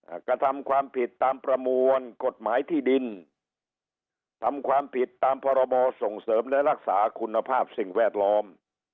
กระทำความผิดตามประมวลกฎหมายที่ดินทำความผิดตามพรบส่งเสริมและรักษาคุณภาพสิ่งแวดล้อม